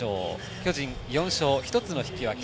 巨人４勝１つの引き分け。